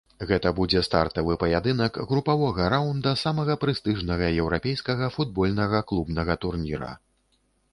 Гэта будзе стартавы паядынак групавога раўнда самага прэстыжнага еўрапейскага футбольнага клубнага турніра.